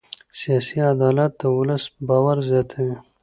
سیاسي عدالت د ولس باور زیاتوي